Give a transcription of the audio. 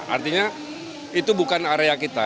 artinya itu bukan area kita